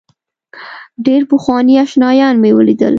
ډېر پخواني آشنایان مې ولیدل.